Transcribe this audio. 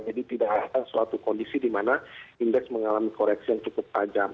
jadi tidak ada suatu kondisi di mana indeks mengalami koreksi yang cukup tajam